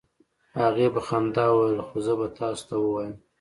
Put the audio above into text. هغې په خندا وویل: "خو زه به تاسو ته ووایم،